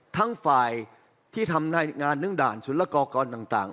ทั้งฝ่ายที่ทำงานหนึ่งด่านศุลกรกรต่าง